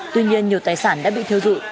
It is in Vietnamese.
tuy nhiên nhiều tài sản đã bị thiêu dụi